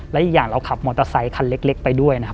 และอีกอย่างเราขับมอเตอร์ไซคันเล็กไปด้วยนะครับ